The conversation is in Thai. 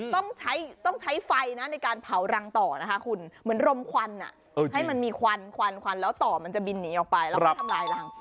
ต้องใช้ต้องใช้ไฟนะในการเผารังต่อนะคะคุณเหมือนรมควันให้มันมีควันควันควันแล้วต่อมันจะบินหนีออกไปแล้วก็ทำลายรัง